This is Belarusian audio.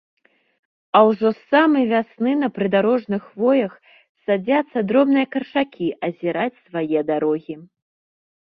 А ўжо з самай вясны на прыдарожных хвоях садзяцца дробныя каршакі азіраць свае дарогі.